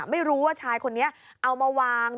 ไม่รู้ว่าชายคนนี้เอามาวาง